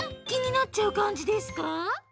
きになっちゃうかんじですか？